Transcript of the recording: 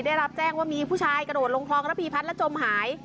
ได้รับแจ้งว่ามีผู้ชายกระโดดลงคลองระพีพัฒน์แล้วจมหาย